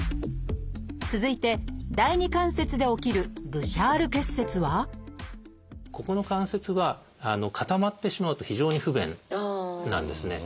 続いて第二関節で起きる「ブシャール結節」はここの関節は固まってしまうと非常に不便なんですね。